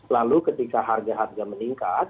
lalu ketika harga harga meningkat